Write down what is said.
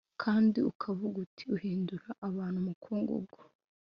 Kandi ukavuga uti Uhindura abantu umukungugu